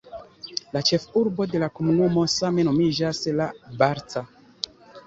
La ĉefurbo de la komunumo same nomiĝas "La Barca".